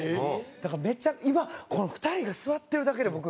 だからめっちゃ今この２人が座ってるだけで僕。